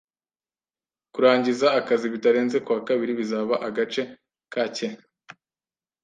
Kurangiza akazi bitarenze kuwa kabiri bizaba agace kake